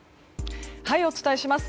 お伝えします。